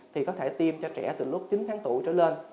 thì có thể tiêm cho trẻ từ lúc chín tháng tuổi trở lên